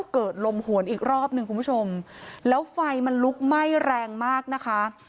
เกิดลมหวนอีกรอบหนึ่งคุณผู้ชมแล้วไฟมันลุกไหม้แรงมากนะคะ